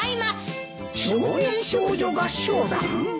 少年少女合唱団？